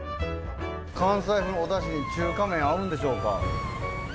関西風のおだしに中華麺合うんでしょうか。